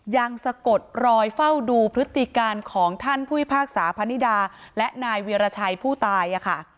สะกดรอยเฝ้าดูพฤติการของท่านผู้พิพากษาพนิดาและนายเวียรชัยผู้ตายค่ะ